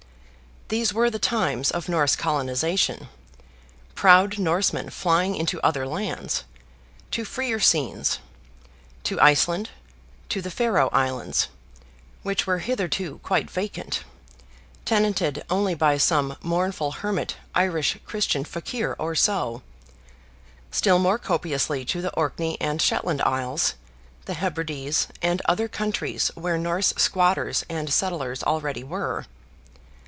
These were the times of Norse colonization; proud Norsemen flying into other lands, to freer scenes, to Iceland, to the Faroe Islands, which were hitherto quite vacant (tenanted only by some mournful hermit, Irish Christian fakir, or so); still more copiously to the Orkney and Shetland Isles, the Hebrides and other countries where Norse squatters and settlers already were.